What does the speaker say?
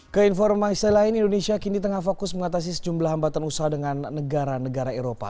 keinformasi lain indonesia kini tengah fokus mengatasi sejumlah hambatan usaha dengan negara negara eropa